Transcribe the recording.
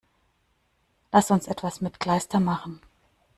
Lass uns etwas mit Kleister machen!